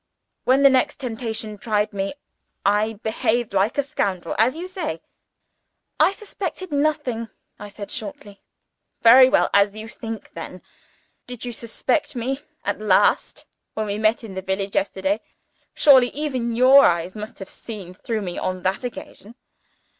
When the next temptation tried me, I behaved like a scoundrel as you say." "I have said nothing," I answered shortly. "Very well as you think, then. Did you suspect me at last when we met in the village, yesterday? Surely, even your eyes must have seen through me on that occasion!"